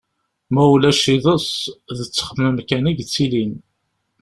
Ma ulac iḍes, d ttexmam kan i yettilin.